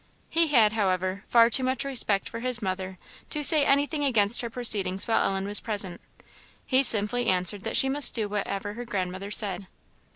He had, however, far too much respect for his mother to say anything against her proceedings while Ellen was present; he simply answered that she must do whatever her grandmother said.